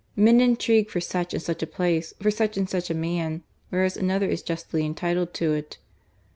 Men intrigue for such and such a place, for such and such a man, whereas another is justly entitled to it.